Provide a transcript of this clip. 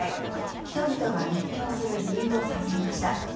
人々が熱狂する理由を探りました。